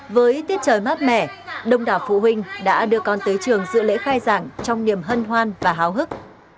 với tiết trời mát mẻ đông đảo phụ huynh đã đưa con tới trường dự lễ khai giảng trong niềm hân hoan và hào hức